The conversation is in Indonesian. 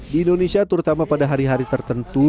di indonesia terutama pada hari hari tertentu